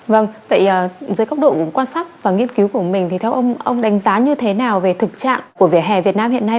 vâng vậy dưới góc độ quan sát và nghiên cứu của mình thì theo ông ông đánh giá như thế nào về thực trạng của vỉa hè việt nam hiện nay